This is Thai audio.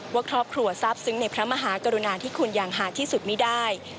ว่าครอบครัวทราบซึ้งในพระมหากรุณาที่คุณอย่างหาที่สุดไม่ได้